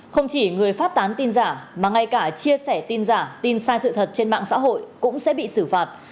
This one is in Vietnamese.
không chỉ người phát tán tin giả mà ngay cả chia sẻ tin giả tin sai sự thật trên mạng xã hội cũng sẽ bị xử phạt